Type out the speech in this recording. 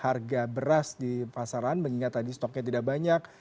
harga beras di pasaran mengingat tadi stoknya tidak banyak